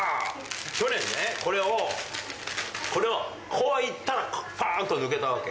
去年ね、これをこういったら、ぽんと抜けたわけ。